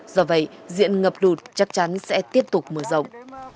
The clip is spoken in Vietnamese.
do vậy diện ngập lụt chắc chắn sẽ tiếp tục mở rộng